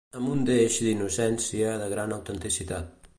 Amb un deix d'innocència de gran autenticitat.